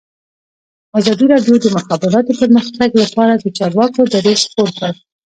ازادي راډیو د د مخابراتو پرمختګ لپاره د چارواکو دریځ خپور کړی.